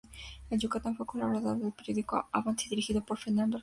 En Yucatán fue colaborador del periódico "Avance" dirigido por Fernando Alcalá Bates.